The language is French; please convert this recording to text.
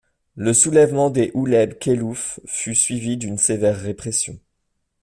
Le soulèvement des Ouled-Khelouf fut suivi d'une sévère répression.